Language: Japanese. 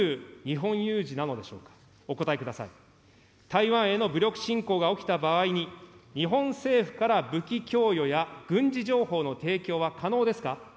台湾への武力侵攻が起きた場合に、日本政府から武器供与や軍事情報の提供は可能ですか。